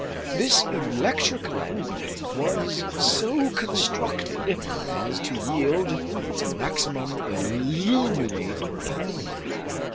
This electric lamp was so constructed as to yield its maximum illuminating power.